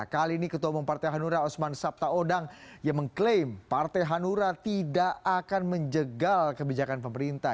kali ini ketua umum partai hanura osman sabtaodang yang mengklaim partai hanura tidak akan menjegal kebijakan pemerintah